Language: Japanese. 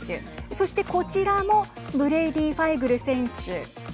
そして、こちらもブレイディ・ファイグル選手。